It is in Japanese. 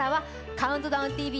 ＣＤＴＶ